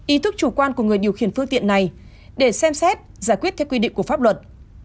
ý thức chủ quan của người điều khiển phương tiện này để xem xét giải quyết theo quy định của pháp luật